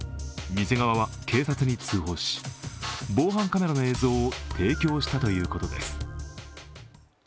店側は警察に通報し防犯カメラの映像を提供したということです。